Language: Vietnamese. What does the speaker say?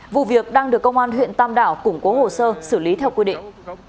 vụ việc đang được công an huyện tam đảo củng cố hồ sơ xử lý theo quy định